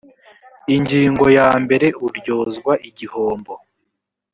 ingingo yambere uryozwa igihombo